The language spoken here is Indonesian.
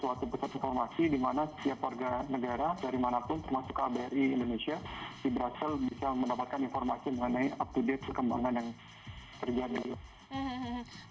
di mana setiap warga negara dari mana pun termasuk kbri indonesia di brussel bisa mendapatkan informasi mengenai up to date kekembangan yang terjadi